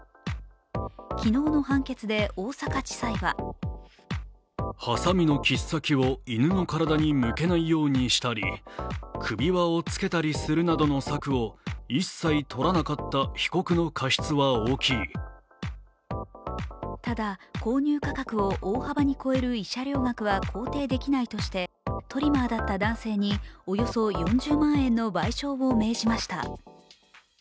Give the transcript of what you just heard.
昨日の判決で大阪地裁はただ、購入価格を大幅に超える慰謝料額は肯定できないとしてトリマーだった男性におよそ４０万円の賠償を命じました。